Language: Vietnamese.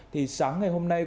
thì sáng ngày hôm nay